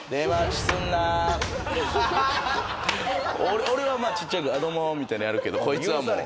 俺はまあちっちゃくどうもみたいなのやるけどこいつはもう。